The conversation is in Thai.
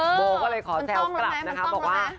เออโบก็เลยขอแซวกลับนะคะมันต้องแล้วไหม